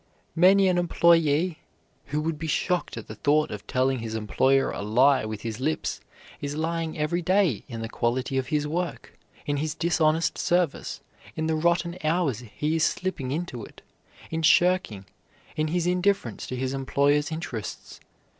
Many an employee who would be shocked at the thought of telling his employer a lie with his lips is lying every day in the quality of his work, in his dishonest service, in the rotten hours he is slipping into it, in shirking, in his indifference to his employer's interests.